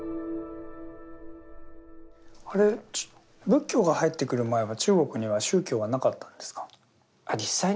あれ仏教が入ってくる前は中国には宗教はなかったんですか？